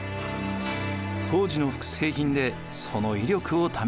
当時の複製品でその威力を試してみましょう。